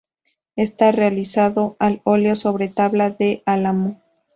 Está realizado al óleo sobre tabla de álamo.